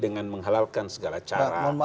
dengan menghalalkan segala cara